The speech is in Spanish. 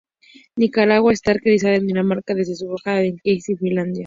Nicaragua está acreditada en Dinamarca desde su embajada en Helsinki, Finlandia.